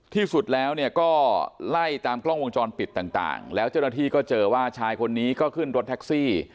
ที่สุดแล้วเนี่ยก็ไล่ตามกล้องวงจรปิดต่างแล้วเจ้าหน้าที่ก็เจอว่าชายคนนี้ก็ขึ้นรถแท็กซี่